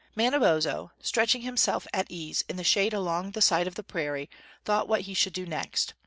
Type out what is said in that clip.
Manabozho, stretching himself at ease in the shade along the side of the prairie, thought what he should do next.